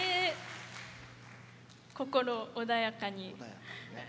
心穏やかに。